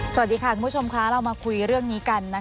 สวัสดีค่ะคุณผู้ชมค่ะเรามาคุยเรื่องนี้กันนะคะ